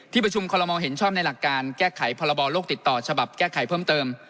ประชุมคอลโมเห็นชอบในหลักการแก้ไขพรบโลกติดต่อฉบับแก้ไขเพิ่มเติม